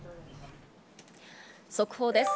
速報です。